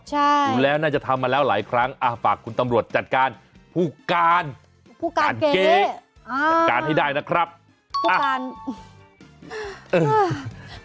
ใช่ดูแล้วน่าจะทำมาแล้วหลายครั้งฝากคุณตำรวจจัดการผู้การเก๋